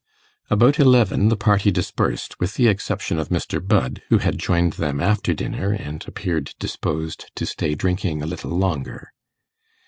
About eleven the party dispersed, with the exception of Mr. Budd, who had joined them after dinner, and appeared disposed to stay drinking a little longer.